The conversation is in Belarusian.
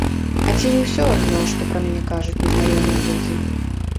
А ці не ўсё адно, што пра мяне кажуць незнаёмыя людзі?!